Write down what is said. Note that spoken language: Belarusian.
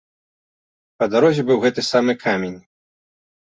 Па дарозе быў гэты самы камень.